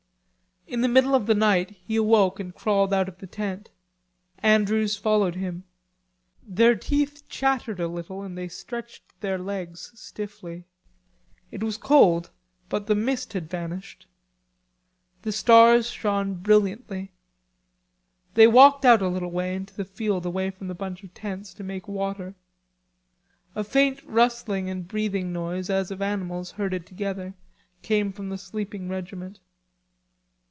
In the middle of the night he awoke and crawled out of the tent. Andrews followed him. Their teeth chattered a little, and they stretched their legs stiffly. It was cold, but the mist had vanished. The stars shone brilliantly. They walked out a little way into the field away from the bunch of tents to make water. A faint rustling and breathing noise, as of animals herded together, came from the sleeping regiment.